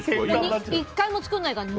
１回も作らないからね。